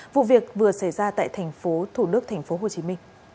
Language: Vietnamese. vụ việc vừa xảy ra tại tp thủ đức tp hcm